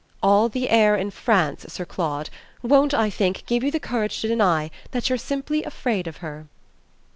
"All the air in France, Sir Claude, won't, I think, give you the courage to deny that you're simply afraid of her!"